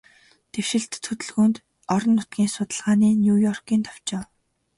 Дэвшилтэт хөдөлгөөнд, орон нутгийн судалгааны Нью-Йоркийн товчоо